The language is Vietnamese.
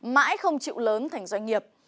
mãi không chịu lớn thành doanh nghiệp